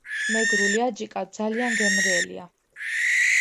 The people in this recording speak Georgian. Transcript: მეგრული აჯიკა ძალიან გემრიელია